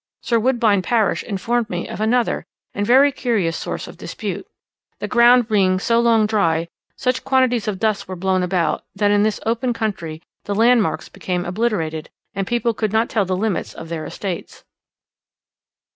Sir Woodbine Parish informed me of another and very curious source of dispute; the ground being so long dry, such quantities of dust were blown about, that in this open country the landmarks became obliterated, and people could not tell the limits of their estates.